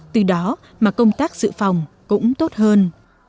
từ đó mà công tác dự phòng cũng tốt hơn